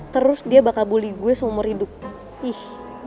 terus dia bakal bully gue seumur hidup ih